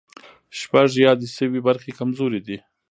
شپږ یادې شوې برخې کمزوري دي.